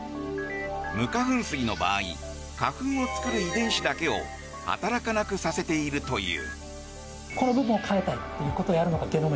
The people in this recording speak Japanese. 無花粉スギの場合花粉を作る遺伝子だけを働かなくさせているという。